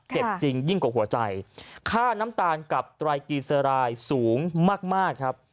จริงยิ่งกว่าหัวใจค่าน้ำตาลกับไตรกีเซรายสูงมากครับ